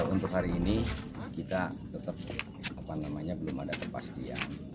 untuk hari ini kita tetap belum ada kepastian